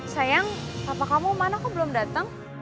sayang papa kamu mana kok belum dateng